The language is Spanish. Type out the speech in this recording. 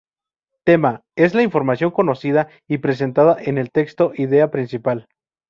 Tema:es la información conocida y presentada en el texto, idea principal.